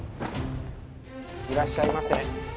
いらっしゃいませ。